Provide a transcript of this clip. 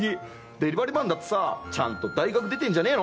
でりばりマンだってさちゃんと大学出てんじゃねえの？